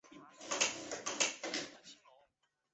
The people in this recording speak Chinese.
隋代以度支尚书为民部尚书。